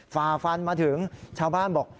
ฝ่าฟันมาถึงชาวบ้านบอก